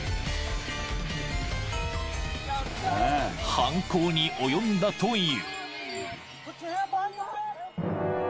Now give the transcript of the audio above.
［犯行に及んだという］